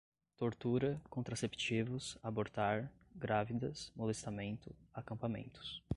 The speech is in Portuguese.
tortura, contraceptivos, abortar, grávidas, molestamento, acampamentos